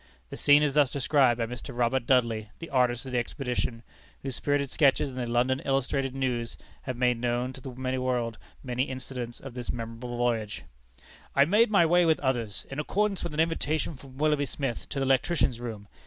The scene is thus described by Mr. Robert Dudley, the artist of the expedition, whose spirited sketches in the London Illustrated News have made known to the world many incidents of this memorable voyage: "I made my way with others, in accordance with an invitation from Willoughby Smith, to the electricians' room.